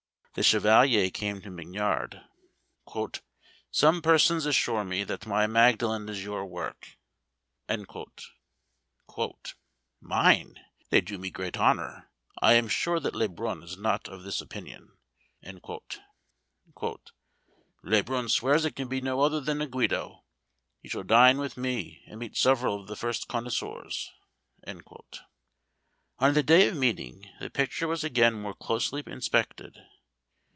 The chevalier came to Mignard: "Some persons assure me that my Magdalen is your work!" "Mine! they do me great honour. I am sure that Le Brun is not of this opinion." "Le Brun swears it can be no other than a Guido. You shall dine with me, and meet several of the first connoisseurs." On the day of meeting, the picture was again more closely inspected.